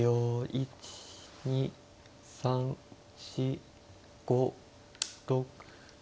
１２３４５６。